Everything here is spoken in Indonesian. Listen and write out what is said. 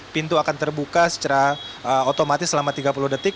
pintu akan terbuka secara otomatis selama tiga puluh detik